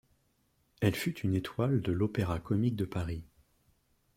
Elle fut une étoile de l'Opéra-Comique de Paris.